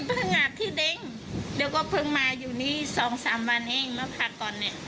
เพิ่งอาจที่เด้งเดี๋ยวก็เพิ่งมาอยู่นี่สองสามวันเองเมื่อพักตอนเนี่ย